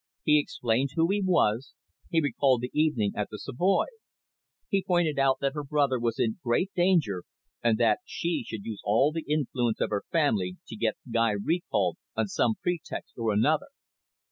He explained who he was, he recalled the evening at the Savoy. He pointed out that her brother was in great danger, and that she should use all the influence of her family to get Guy recalled on some pretext or another.